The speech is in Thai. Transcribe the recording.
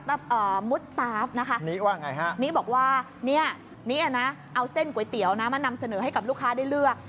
นี่มุสตาฟนี่ว่าไงฮะนี่บอกว่านี่นะเอาเส้นก๋วยเตี๋ยวมานำเสนอให้กับลูกค้าได้เลือก